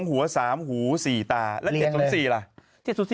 หัว๓หู๔ตาแล้ว๗๐๔ล่ะ